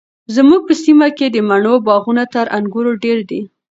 زموږ په سیمه کې د مڼو باغونه تر انګورو ډیر دي.